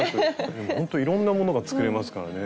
ほんといろんなものが作れますからね。